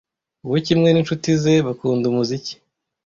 We kimwe ninshuti ze bakunda umuziki.